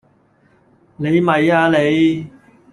你咪呀你